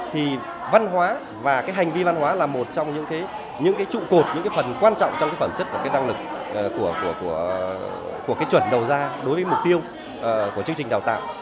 thì văn hóa và cái hành vi văn hóa là một trong những cái trụ cột những cái phần quan trọng trong cái phẩm chất và cái năng lực của cái chuẩn đầu ra đối với mục tiêu của chương trình đào tạo